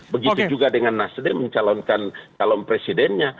begitu juga dengan nasdem mencalonkan calon presidennya